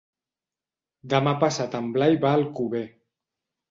Demà passat en Blai va a Alcover.